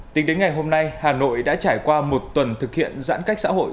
tính đến ngày hôm nay hà nội đã trải qua một tuần thực hiện giãn cách xã hội